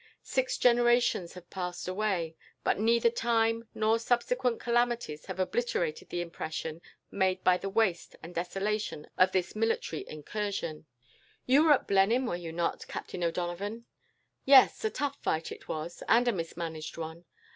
Six generations have since passed away, but neither time nor subsequent calamities have obliterated the impression made by the waste and desolation of this military incursion. "You were at Blenheim, were you not, Captain O'Donovan?" "Yes. A tough fight it was, and a mismanaged one.